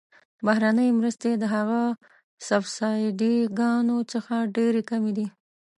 بهرنۍ مرستې د هغه سبسایډي ګانو څخه ډیرې کمې دي.